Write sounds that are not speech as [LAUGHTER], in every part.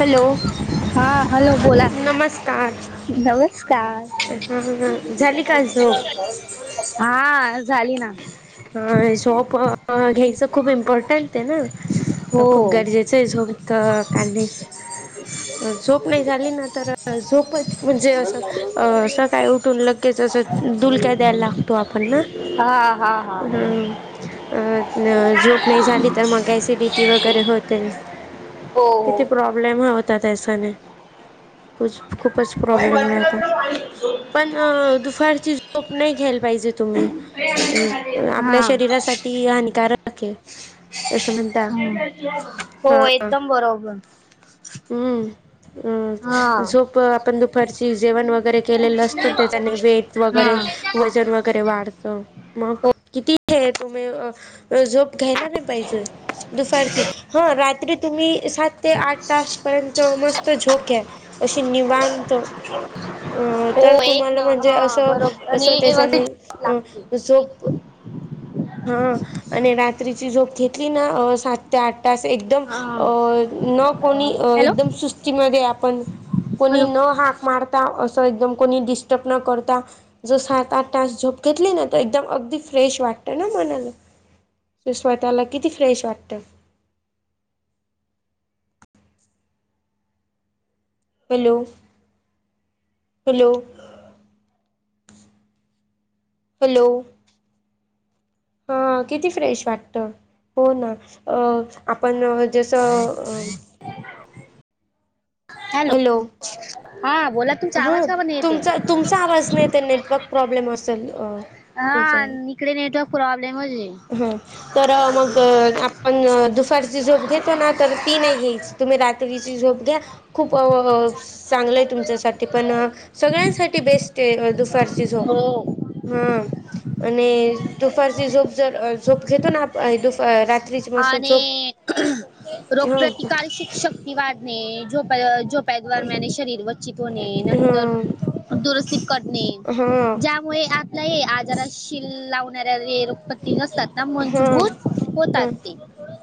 Hello. हा. Hello, बोला. नमस्कार नमस्कार. हा झाली का झोप हा, झाली ना. हा, शॉप घ्यायचं खूप इम्पॉर्टंट आहे हो ना. खूप गरजेचं आहे झोप तर काढणे. झोप नाही झाली ना तर, झोपच म्हणजे असं सकाळी उठून लग लगेच असं डुलक्या द्यायला लागतो, आपण ना. हा हा हा हं... अ... झोप नाई झाली... तर मग ऍसिडिटी वगैरे होते... हो हो किती प्रॉब्लेम होतात अश्याने खूच... खूपच प्रॉब्लेम राहतात. पण.. अ... दुफारची झोप नई घ्यायला पाहिजे तुम्ही.. अ आपल्या हा शरीरासाठी हानिकारक ए... असं म्हणत [UNINTELLIGIBLE] हो... एकदम बरोबर. हम्म हा अ... झोप... आपण दुपारची जेवण वगैरे केलेलं असतं... त्याच्याने वेट हा वगैरे वजन व वगैरे वाढतं... मग हो किती हे... तुम्ही झोप घ्यायला नई पाहिजे दुफारची... हा रात्री तुम्ही सात ते आठ तास पर्यंत मस्त झोप घ्या अशी निवांत. अ... हो तर एक न तुम्हाला म्हणजे हा असं, बरोबर कसं आणि त्याच्याने व्यवस्थित अ लागते झोप हा... आणि रात्रीची झोप घेतली ना अ.. सात ते आठ तास... एकदम हा अ... न कोणी... हॅलो एकदम सुस्तीमध्ये आपण कोणी हॅलो न हाक मारता... असं एकदम कोणी डिस्टर्ब न करता जर सात आठ तास झोप घेतली ना.. तर एकदम अगदी फ्रेश वाट ना मनाला... स्वतःला किती फ्रेश वाटतं हॅलो... हॅलो हॅलो... हा किती फ्रेश वाटतं हो ना... अ... आपण जसं हॅलो हा बोला तुमचा हा... आवाज का पण येते तुमचा, तुमचा आवाज नाई येत.. नेटवर्क प्रॉब्लेम असल... अ हा इकडे नेटवर्क प्रॉब्लेमच आहे [UNINTELLIGIBLE] हा.. तर मग पण दुफारची झोप घेतो ना तर ती नाई घ्यायची... तुम्ही रात्रीची झोप घ्या, खूप चांगलं ए तुमच्यासाठी पण सगळ्यांसाठी बेस्ट ए... दुफारची झोप... हो हा आणि दुफारची झोप जर... झोप घेतो ना आप... दुफ... रात्रीची मस्त झोप रोग हां प्रतिकारक शक्ती वाढणे.. झोप. झोपने [UNINTELLIGIBLE] [UNINTELLIGIBLE] नंतर हां दुरुस्तीत करणे. हां ज्या मुळे आपल्या हे आजार [UNINTELLIGIBLE] लावणाऱ्या [UNINTELLIGIBLE] सता हां मजबूर हां होतात ते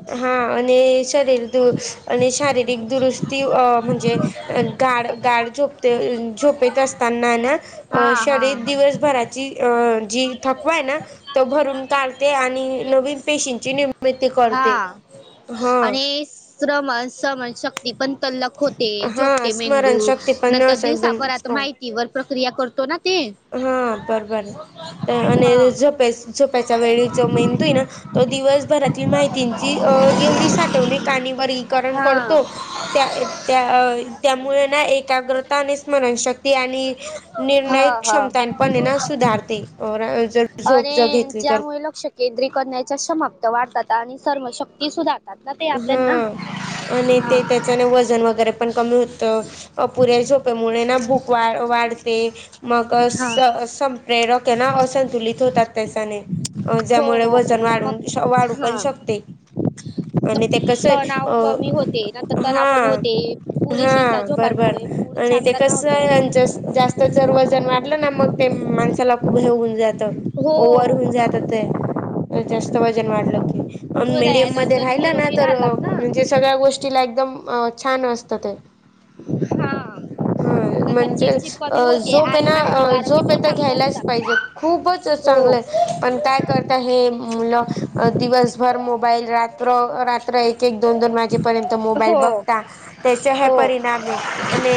हा... आणि शरीर दू... आणि शारीरिक दुरुस्ती... अ म्हणजे अ गाड गाड झोपते... झोपेत असताना ना हा अ... हा शरीर हा दिवसभराची... अ... जी... थकवा ए ना... तो भरून काढ ते आणि नवीन पेशींची निर्मिती करते... हा हं आणि श्रमण... समण शक्ती पण तल्लख होते... हा झोपते मेंदू... स्मरणशक्ती पण नंतर असं एकदम दिवसाभर आता... स्ट्रॉंग माहितीवर प्रक्रिया करतो ना ते हा बरबर... हा आणि झोप... झोपाच्या वेळी जो मेंदू ए ना तो दिवसभरातील माहितींची अ एवढी... साठवणी काणी बरी करण हा करतो त्या त्या अ... त्यामुळें ना एकाग्रता आणि स्मरणशक्ती आणि हा निर्णय हा क्षमतान पण ए ना... सुधारते. अ... जर झोप जर घेतली तर केंद्रीकरणाच्या समाप्त वाढतात आणि सर्म शक्ती सुधारतात ना ते आपल्यांना हा आणि ते... त्याचने वजन वगैरे पण, कमी होतं. अपुऱ्या झोप मुळे ना भूक वाढ... वाढते, मग हा सं... संपेरक ए ना असंतुलित होतात त्याच्याने, हो ज्यामुळे हो वजन वाढून... मग वाढू पण हा शकते आणि ते कसं... तणाव कमी होते अ... नंतर तणाव हा, कमी होते हा पुरेशीच्या बरबर झोपांमुळे मूड आणि ते चांगला ना कसं आहे होतो जास्त जर वजन वाढलं ना मग ते माणसाला खूप हेऊन जात ओवर हो होऊन जातं ते जास्त वजन वाढलकी, अं मिडीयन मध्ये हृदयानंतर ना निरोगी तर राहतात ना म्हणजे सगळ्या गोष्टीला एकदम छान असत ते हा हा नंतर म्हणजे चिडचिड अ कमी होते झोप ये आणि मानसिक ना आरोग्य झोप पण येत चांगलं घ्यायलाच असतात पाहिजे खूपच हो चांगलं पण काय करत हे मुल दिवसभर मोबाईल रात्र रात्र एक एक दोन दोन वाजेपर्यंत मोबाईल हो बघता त्याचा हे हो परिणाम आणि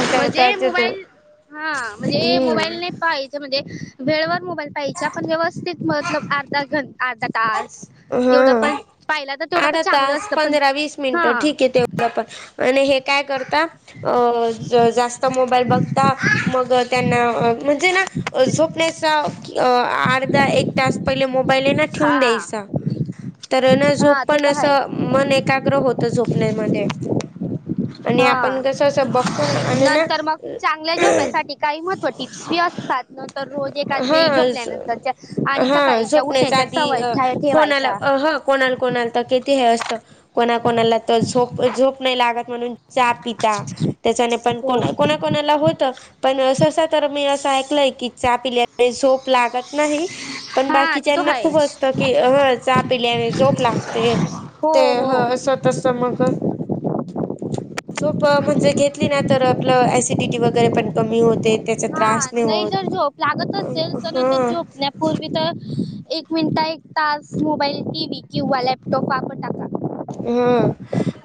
इंटरनेट जे मोबाईल हा म्हणजे मोबाईल नाही हम्म पाहि म्हणजे वेळेवर मोबाईल पहायचा पण व्यवस्थित मतलब अर्धा घ अर्धा तास तेवढं हा पण पाहिला तर तेवढं पण अर्धा चांगलं तास असतं पण पंधरा वीस हा मिनटं ठीक ये तेवढा पण आणि हे काय करता अं हे काय करता अं जास्त मोबाईल बघता मग त्यांना म्हणजे ना झोपण्याचा की अर्धा एक तास पहिले मोबाईल आहे ना ठेवून हा द्यायचा तर ना झोप हा ते पण तर आहे मन एकाग्र होत झोपण्यामध्ये आणि हा आपण कस अस बघतो ना अं ना नंतर मग चांगल्या झोप्यासाठी काही महटीव्ही टिप्स भी असतात नंतर रोज एका वेळी झोपल्यानंतरच्या आणि सकाळीच्या याच्या उठण्याच्या आधी सवय अं ठेवायच्या कोणाला कोणाल कोणाल तर किती हे असत कोणा कोणाला तर झोप झोप नाही लागत म्हणून चहा पिता त्याच्याने पण को हो कोणा कोणाला होत पण सहसा तर मी असं ऐकलंय की चहा पिल्यामुळे झोप लागत नाही पण हा ते तो बाकीच्याना खूप आहेच असतं की चहा पील्याने झोप लागते. हो ते ह हो असं तस मग झोप म्हणजे घेतली ना तर आपलं ॲसिडिटी वगैरे पण कमी होते त्याच्यात हा नाही जर झोप लागत असेल तर हा झोपण्या पूर्वी तर एक मिनिट एक तास मोबाईल टीव्ही किंवा लॅपटॉप वापर नका हम.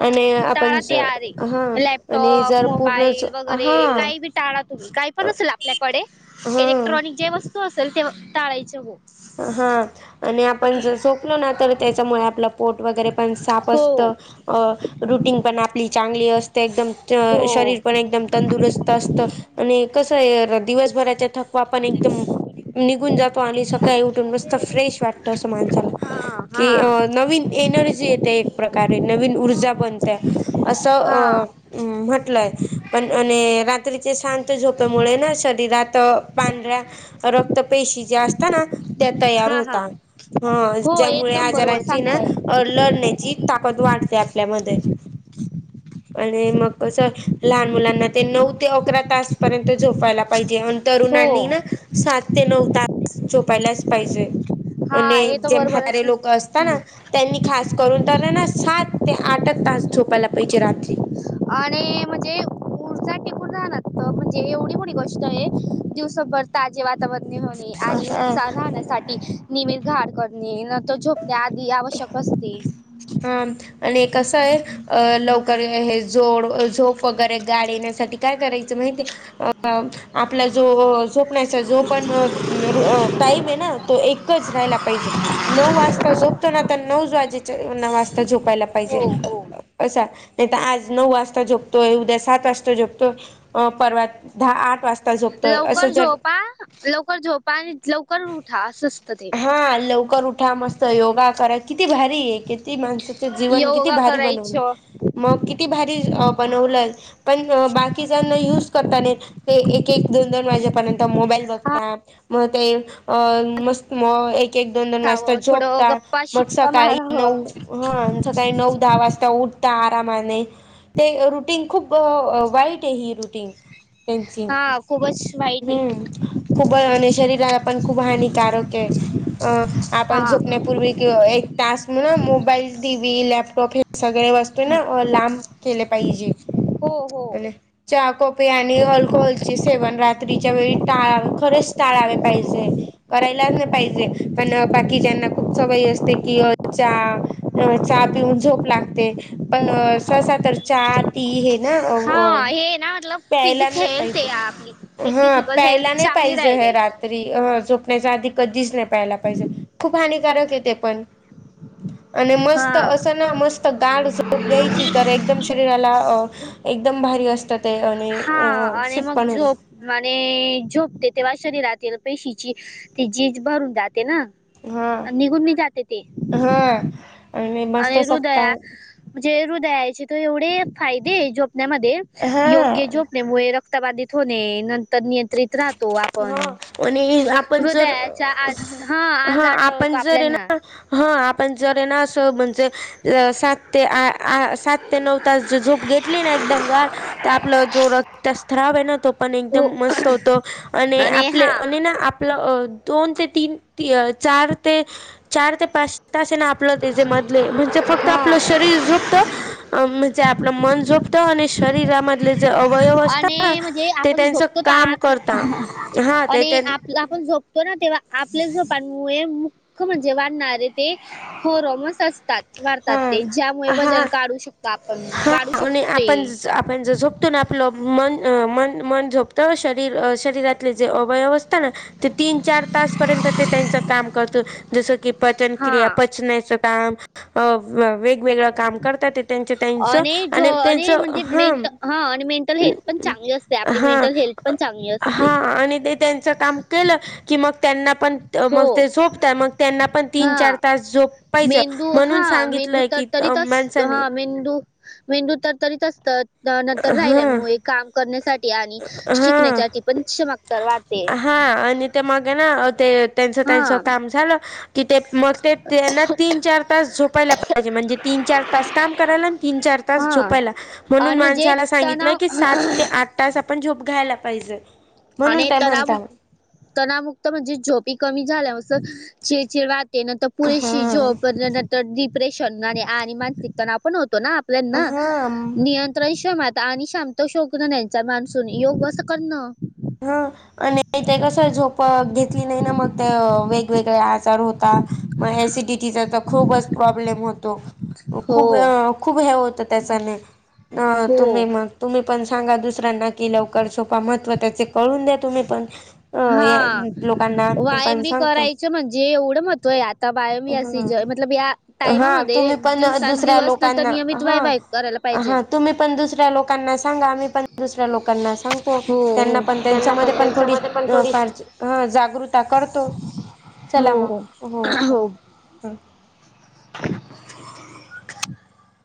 आणि आपण टाळा ते ज आरे हा आणि लॅपटॉप जर पूर्णच मोबाईल हा वगैरे काही बी टाळा तूम्ही काही पण असेल आपल्याकडे, हा इलेक्ट्रॉनिक जे वस्तू असेल ते टाळायचे हो हा आणि आपण जर झोपलो ना तर त्याच्यामुळे आपला पोट वगैरे पण साफ असत हो रुटीन पण आपली चांगली असते एकदम हो शरीर पण एकदम तंदुरुस्त असत आणि कसं आहे दिवस दिवसभराच्या थकवा पण एकडम निघून जातो आणि सक उठून मस्त फ्रेश असं वाटतं माणसाला हा हा कि नवीन एनर्जी येते एक प्रकारे नवीन ऊर्जा बनते. असं हा अ म्हटलंय पण आणि रात्रीचे शांत शांत झोप्यामुळे ना शरीरात पांढऱ्या रक्त पेशीच्या असतना? त्या तयार हा हा होतात हो ज्यामुळे एकदम बरोबर आजारांची ना सांगताय लढण्याची ताकद वाढते आपल्यामध्ये आणि मग कसं लहान मुलांना ते नऊ ते अकरा तास पर्यंत झोपायला पाहिजे हो तरुणांनी ना सात ते नऊ तास झोपायलाच पाहिजे. हा आणि हे तर जे बरोबरच म्हातारे लोक असतात ना हम्म त्यांनी खास करून तर ना सात ते आठच तास झोपायला पाहिजे रात्री आणि म्हणजे ऊर्जा टिकून राणार तर म्हणजे एवढी मोडी गोष्ट आहे दिवसभर ताजे वातावर होणे आणि हा उत्साह राहण्यासाठी निम आहार करणे नंतर झोप त्या आधी आवश्यक असते. ह आणि हे कसं आहे अ लवकर हे जोड झोप वगैरे गाढ येण्यासाठी काय करायचं माहितीय अ आपला जो झोपण्याचा जो पण टाईम आहे ना तो एकच राहायला पाहिजे नऊ वाजता झोपतो ना तर नऊ वाजेच्या न वाजता झोपायला पाहिजे हो हो. असा आज नऊ वाजता झोपतोय उद्या सात वाजता झोपतोय अ परवा दहा आठ वाजता झोपतोय असं लवकर जर झोपा लवकर झोपा आणि लवकर उठा असवस्त ते हा लवकर उठा मस्त योगा करा किती भारी आहे किती माणस जीवन किती योगा भारी बनवलं करायचं मग किती भारी बनवलं पण बाकी जना युज करता ये ते एक एक दोन दोन वाजेपर्यंत मोबाईल हा बघता मग ते अ मस्त मग एक एक दोन दोन वाजता खावं थोडं झोपता गप्पा मग शिप्पा सकाळी नऊ मारावं. ह सकाळी नऊ दहा वाजता उठता आरामाने ते रुटीन खूप वाईट आहे ही रुटीन त्यांची हा खूपच वाईट आहे हम्म खूप आणि शरीराला पण खूप हानिकारक आपण हा. झ पूर्वी कि एक तास म्ह मोबाईल टी व्ही लॅपटॉप हे सगळे वस्तू ना लांब केले पाहिजे हो हो कोपी आणि अल्कोहल चे सेवन रात्रीच्या वेळी टाळा खरेच टाळावे पाहिजे करायलाच नाही पाहिजे पण बाकीच्याना खूप सवयी असते की च अ चहा पिऊन झोप लागते पण ससा तर चा ती हे ना ते ना मतलब प्यायला फिजिक नाही हेल्थ आहे पाहिजे आपली. हे हा फिजिकल प्यायला हेल्थ नाही चांगली पाहिजे ह राहिलाय. रात त झोपण्याच्या आधी कधीच नाही पहायला पाहिजे खूप हानिकारक आहे ते पण आणि हा मस्त असं ना मस्त गाळ झोप घ्यायची तर एक एकदम शरीराला अ एकदम भारी असत ते आणि अ फिट पण होते म झोपते तेव्हा शरीरातील पेशीची ते जीज भरून जाते ना हा निघून मी जाते ते हा आणि मस्त सपता म्हणजे हृदयाचे तर एवढे फायदे जोपण्यामध्ये हा योग्य जोपण्यामुळे रत रक्त बाधित होणे नंतर नियंत्रित राह हा आणि आपण जर हृदयाचा आज आज हा आपण आटळतो जर आहे आपल्याना ना हा आपण जर ना असं म्हणजे सात ते आ सात ते नऊ तास झोप घेतली ना एकदम गाार तर आपला जो रता स््राव आहे ना तो पण हो एकदम मस्त होतो आणि आपले आप दोन ते तीन चार ते चार ते पाच त आप त्याे मधले म्हणजे फक्त हा आपलं शरीर झोपत म्हणजे आपलं मन झोपत आणि शरीराध ज अवयव असत आणि म्हणजे ते आपण त्यांच झोपतो तर काम आप करता हा ते आणि त्यां आप आपण झोपतो ना तेव्हा आपले झोपण मु मुख्य म्हणजे वाढणारे ते हॉरमस असतात मारतात हा ते ज्यामुळे हा वजन काढू शकतात हा आणि आपण आपण ज जो ततून आपलं मन मन मन झोपतं शरीर शरीरातले जे अवयव असतात ना ते तीन चार तास पर्यंत ते त्यांच काम करत जस कि पचन क्रिया हा पचनाच काम वेगवेगळं काम करतात त्यां आणि ज म्हणजे मेंट हा आणि मेंटल हेल्थ पण चांगली असते आपली मेंटल हेल्थ पण चांगली असते त्यांच काम के की मग त्यांना पण. मग हो ते झोपतय मग त्यांना पण तीन-चार हा तास झोप पाहिज म्हणून सांगितलंय की. तरी अ, त हा माणसाने मेंदू मेंदू तर तरीत असतात. नंतर हा राहिल्यांमुळे काम करण्यासाठी आणि हा शिकण्यासाठी पण चमकदार वाढते. हा आणि ते मग ना ते त्यांचं त्यांच हा काम झालं कि ते मग. ते त्यांना तीन चार तास झोपायला पाहिजे म्हणजे तीन चार तास काम करायला आणि तीन चार तास हा झोपायला. म्हणून आणि म्हणजे माणसाला सांगितलं की तणाव सात ते आठ तास आपण झोप घ्यायला पाहिजे. म्हणून आणि काय म्हणता तरराब. तणामुक्त म्हणजे झोपी कमी झालं असं चिरचिड वाटते ना तर. पुरेशी हा जॉब नंतर डिप्रेशन आणि आणि मानसिक तणा पण होतो ना. हा [UNINTELLIGIBLE] आणि शांत शोगन नचा माणसून योग अससं करणं. हा आणि. माय कसं झोप घेतली नाही ना मग. वेगवेगळे आजार होता मग सिडिटीचा तर खूपच प्रॉब्लेम होतो. हो खूप अ खूप हे होतं त्याचाने हो तुम्ही मग. तुम्ही पण सांगा दुसऱ्यांना कि लवकर सोपा महत्त्व त्याचे कळून द्या तुम्ही पण. अ हा लोकांना वयाम पण बी सांगतो करायच म्हणजे एवढं मतय आता वायामबी असी ह ज मतलब या. हा टाइमामध्ये तुम्ही पण दुसऱ्या दिवसांदिवस नंतर लोकांना नियमित हा वाय वाय करायला पाहिजे हा तुम्ही पण दुसऱ्या लोक. ना सांगा आम्ही पण दुसऱ्या लोकांना सांगतो हो त्यांना हो पण त्यांच्या त्यांना म पण थोडी. त्यांच्यामध्ये पण थोडी फार जागृता करतो चला मग हो चला. [UNINTELLIGIBLE]